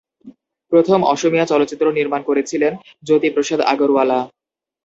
প্রথম অসমীয়া চলচ্চিত্র নির্মাণ করেছিলেন জ্যোতিপ্রসাদ আগরওয়ালা।